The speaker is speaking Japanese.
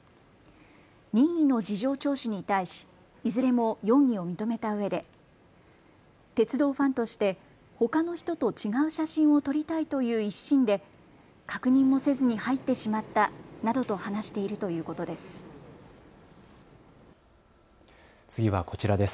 任意の事情聴取に対しいずれも容疑を認めたうえで鉄道ファンとしてほかの人と違う写真を撮りたいという一心で確認もせずに入ってしまったなどと話しているということです。